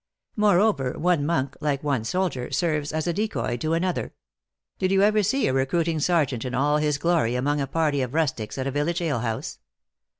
Moreover, one monk, like one soldier, serves as a decoy to another. Did you ever see a recruiting sergeant, in all his glory, among a party of rustics at a village alehouse?